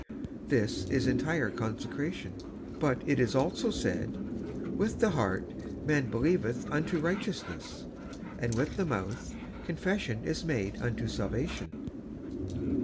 This is entire consecration ; but it is also said, "With the heart man believeth unto righteousness; and with the mouth, confession is made unto salvation."